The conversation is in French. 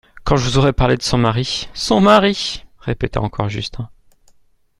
Quand je vous aurai parlé de son mari … Son mari ! répéta encore Justin.